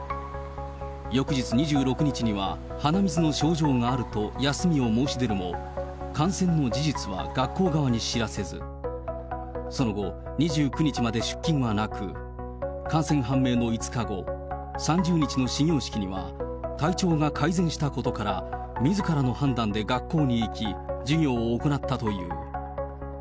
翌日２６日には鼻水の症状があると休みを申し出るも、感染の事実は学校側に知らせず、その後、２９日まで出勤はなく、感染判明の５日後、３０日の始業式には、体調が改善したことから、みずからの判断で学校に行き、授業を行ったという。